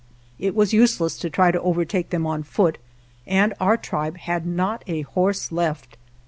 It was use less to try to overtake them on foot, and our tribe had not a horse left.